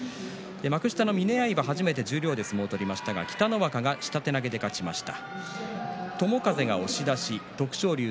幕下の峰刃、初めて十両で相撲を取りましたが北の若が勝ちました。